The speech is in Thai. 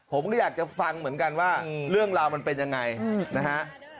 ผมก็อยากจะฟังเหมือนกันว่าเรื่องราวมันเป็นยังไงนะฮะ